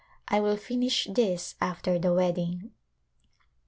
I will finish this after the wedding.